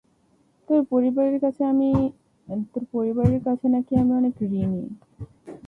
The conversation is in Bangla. তোর পরিবারের কাছে নাকি আমি অনেক ঋণী।